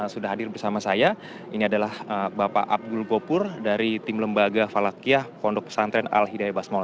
sudah hadir bersama saya ini adalah bapak abdul gopur dari tim lembaga falakiyah pondok pesantren al hidayah basmol